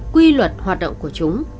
quy luật hoạt động của chúng